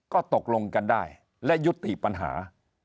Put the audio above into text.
ก็ตกลงกันได้และยุติปัญหา